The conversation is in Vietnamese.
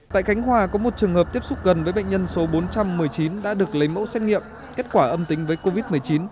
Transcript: tại khánh hòa có một trường hợp tiếp xúc gần với bệnh nhân số bốn trăm một mươi chín đã được lấy mẫu xét nghiệm kết quả âm tính với covid một mươi chín